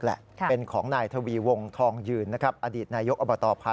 แล้วก็รับปืนจากนายยกมึกมา